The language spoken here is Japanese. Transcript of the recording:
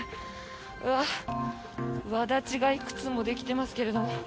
わだちがいくつもできていますけれども。